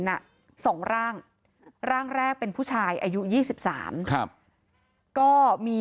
น่ะสองร่างร่างแรกเป็นผู้ชายอายุยี่สิบสามครับก็มี